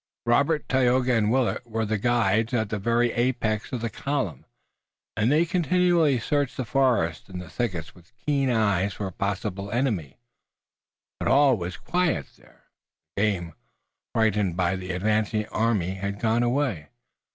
Robert, Tayoga and Willet were with the guides at the very apex of the column, and they continually searched the forests and the thickets with keen eyes for a possible enemy. But all was quiet there. The game, frightened by the advancing army, had gone away.